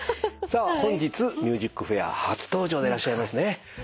さあ本日『ＭＵＳＩＣＦＡＩＲ』初登場でいらっしゃいますね